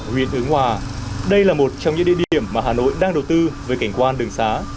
huyện ứng hòa đây là một trong những địa điểm mà hà nội đang đầu tư với cảnh quan đường xá